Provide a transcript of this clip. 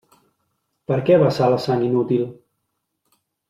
Per què vessar la sang inútil?